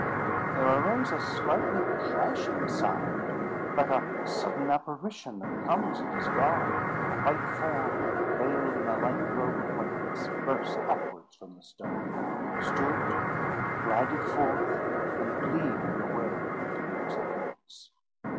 There arose a slightly crashing sound. Like a sudden apparition that comes and is gone, a white form, veiled in a light robe of whiteness, burst upwards from the stone, stood, glided forth, and gleamed away towards the woods.